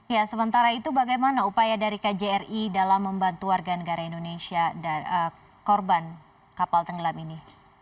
ya sementara itu bagaimana upaya dari kjri dalam membantu warga negara indonesia dan korban kapal tenggelam ini